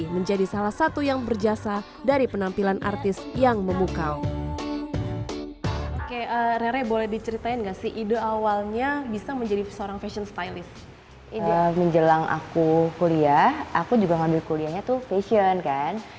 menjelang aku kuliah aku juga ngambil kuliahnya tuh fashion kan